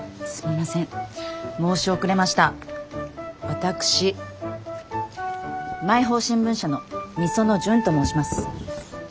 私毎報新聞社の御園純と申します。